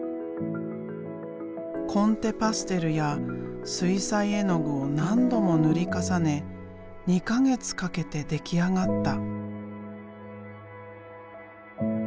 コンテパステルや水彩絵の具を何度も塗り重ね２か月かけて出来上がった。